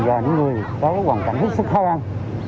và những người có hoàn cảnh hết sức khó khăn